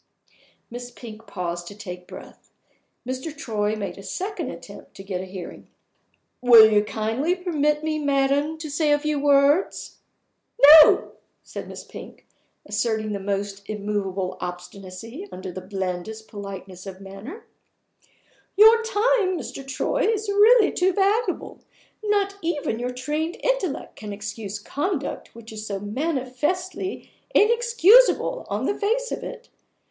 Miss Pink paused to take breath. Mr. Troy made a second attempt to get a hearing. "Will you kindly permit me, madam, to say a few words?" "No!" said Miss Pink, asserting the most immovable obstinacy under the blandest politeness of manner. "Your time, Mr. Troy, is really too valuable! Not even your trained intellect can excuse conduct which is manifestly _in_excusable on the face of it.